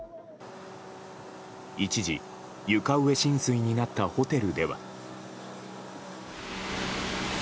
一時、床上浸水になったホテルでは。